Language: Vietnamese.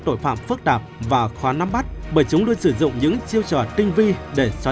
tội phạm phức tạp và khó nắm bắt bởi chúng luôn sử dụng những chiêu trò tinh vi để xóa